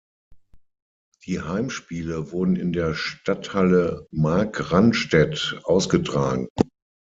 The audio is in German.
Die Heimspiele wurden in der Stadthalle Markranstädt ausgetragen.